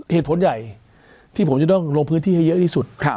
เหตุผลใหญ่ที่ผมจะต้องลงพื้นที่ให้เยอะที่สุด